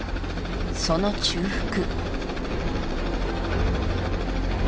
その中腹